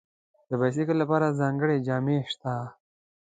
د بایسکل لپاره ځانګړي جامې شته.